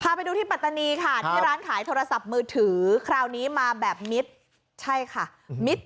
ไปดูที่ปัตตานีค่ะที่ร้านขายโทรศัพท์มือถือคราวนี้มาแบบมิดใช่ค่ะ